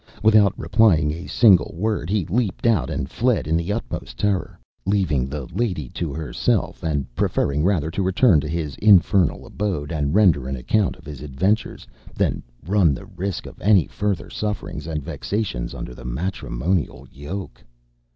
Without replying a single word, he leaped out and fled in the utmost terror, leaving the lady to herself, and preferring rather to return to his infernal abode and render an account of his adventures, than run the risk of any further sufferings and vexations under the matrimonial yoke.